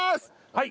はい。